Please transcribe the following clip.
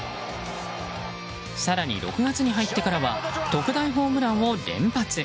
更に、６月に入ってからは特大ホームランを連発。